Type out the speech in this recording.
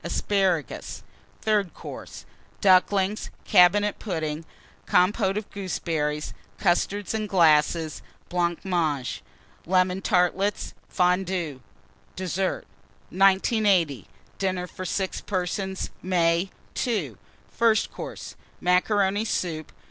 Asparagus. THIRD COURSE. Ducklings. Cabinet Pudding. Compôte of Gooseberries. Custards in Glasses. Blancmange. Lemon Tartlets. Fondue. DESSERT. 1980. DINNER FOR 6 PERSONS (May). II. FIRST COURSE. Macaroni Soup.